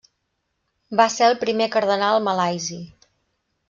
Va ser el primer cardenal malaisi.